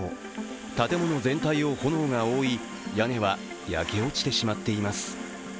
建物全体を炎が覆い屋根は焼け落ちてしまっています。